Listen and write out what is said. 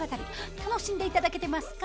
楽しんで頂けてますか？